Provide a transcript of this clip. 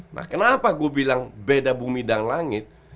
nah kenapa gue bilang beda bumi dan langit